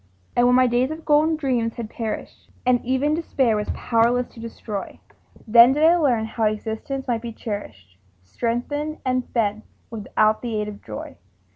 But when my days of golden dreams had perished, And even Despair was powerless to destroy, Then did I learn how existence might be cherished, Strengthened and fed without the aid of joy.